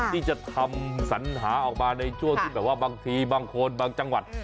ที่จะทำสัญหาออกมาในช่วงที่แบบว่าบางทีบางคนบางจังหวัด